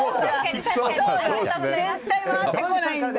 絶対回ってこないんだ。